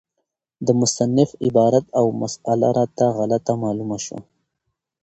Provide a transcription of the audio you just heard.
د مصنف عبارت او مسأله راته غلطه معلومه شوه،